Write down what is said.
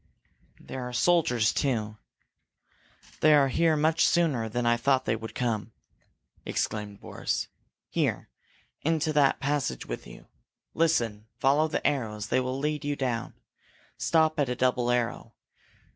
"There are soldiers, too. They are here much sooner than I thought they could come!" exclaimed Boris. "Here, into that passage with you! Listen! Follow the arrows! They will lead you down. Stop at a double arrow.